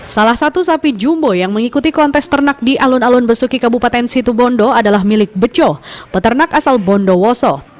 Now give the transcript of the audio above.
salah satu sapi jumbo yang mengikuti kontes ternak di alun alun besuki kabupaten situbondo adalah milik beco peternak asal bondowoso